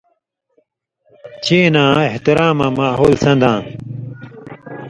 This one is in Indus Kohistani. چِیناں آں احتراماں ماحول سن٘داں